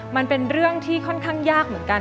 มันเป็นเรื่องที่ค่อนข้างยากเหมือนกัน